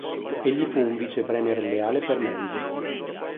Egli fu un vice premier leale per Menzies.